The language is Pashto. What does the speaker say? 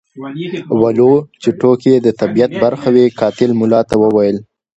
ولو چې ټوکې یې د طبیعت برخه وې قاتل ملا ته وویل.